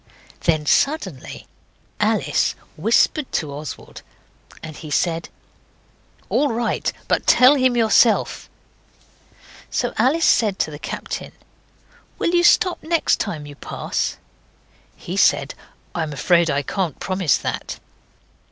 Then suddenly Alice whispered to Oswald, and he said 'All right; but tell him yourself.' So Alice said to the captain 'Will you stop next time you pass?' He said, 'I'm afraid I can't promise that.